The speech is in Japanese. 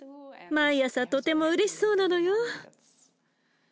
毎朝とてもうれしそうなのよ。